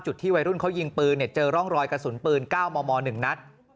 ที่วัยรุ่นเขายิงปืนเจอร่องรอยกระสุนปืน๙มม๑นัด